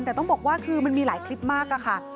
แต่ต้องบอกว่าคือมันมีหลายคลิปมากค่ะ